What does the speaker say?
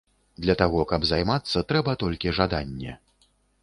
Для таго, каб займацца, трэба толькі жаданне.